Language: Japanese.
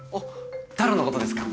太郎のことですか。